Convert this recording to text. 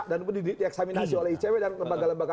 dan dieksaminasi oleh icw dan lembaga lembaga